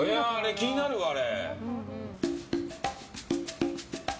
気になるわ、あれ。